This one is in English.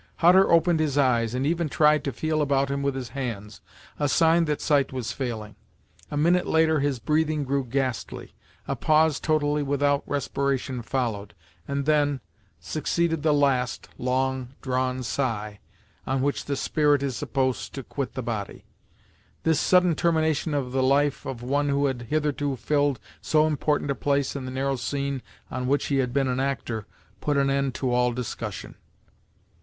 Hutter opened his eyes, and even tried to feel about him with his hands, a sign that sight was failing. A minute later, his breathing grew ghastly; a pause totally without respiration followed; and, then, succeeded the last, long drawn sigh, on which the spirit is supposed to quit the body. This sudden termination of the life of one who had hitherto filled so important a place in the narrow scene on which he had been an actor, put an end to all discussion.